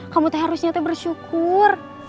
kamu teh harusnya teh bersyukur